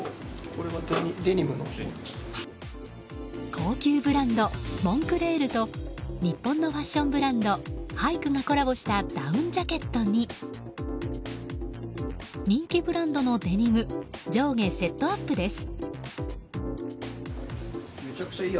高級ブランド、モンクレールと日本のファッションブランドＨＹＫＥがコラボしたダウンジャケットに人気ブランドのデニム上下セットアップです。